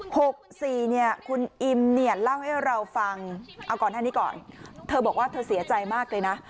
หกสี่เนี่ยคุณอิมเนี่ยเล่าให้เราฟังเอาก่อนหน้านี้ก่อนเธอบอกว่าเธอเสียใจมากเลยนะ